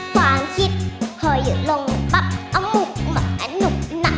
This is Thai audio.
ความคิดหยุดลงปั๊บอมมุมหมาหนุ่มหนัก